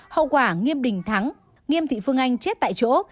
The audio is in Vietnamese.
hậu quả nghiêm đình thắng nghiêm thị phương anh chết tại chỗ